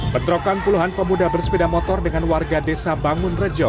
bentrokan puluhan pemuda bersepeda motor dengan warga desa bangun rejo